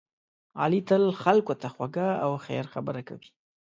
علی تل خلکو ته خوږه او خیر خبره کوي.